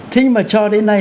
thế nhưng mà cho đến nay